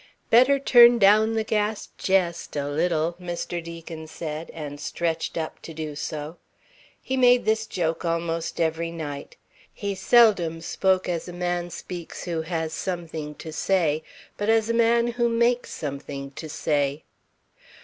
"Better turn down the gas jest a little," Mr. Deacon said, and stretched up to do so. He made this joke almost every night. He seldom spoke as a man speaks who has something to say, but as a man who makes something to say.